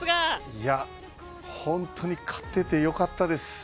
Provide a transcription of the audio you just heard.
いや、本当に勝ててよかったです。